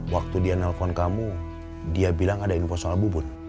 waktu dia nelfon kamu dia bilang ada info soal bubut